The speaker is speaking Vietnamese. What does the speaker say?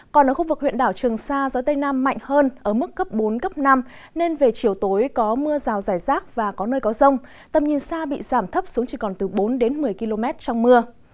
còn ở khu vực huyện đảo trường sa gió tây nam mạnh hơn ở mức cấp bốn cấp năm nên về chiều tối có mưa rào rải rác và có nơi có rông tầm nhìn xa bị giảm thấp xuống chỉ còn từ bốn đến một mươi km trong mưa